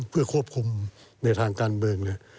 เพื่อควบคุมในทางการเมืองเลย